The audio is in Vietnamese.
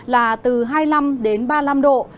là từ hai mươi năm đến ba mươi năm độ